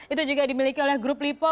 itu juga dimiliki oleh grup lipo